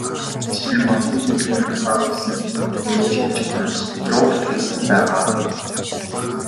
Энэ мэтчилэн олон зүйлийн утга агуулгыг нэмэн чимж консрукт хийсэн байгаа.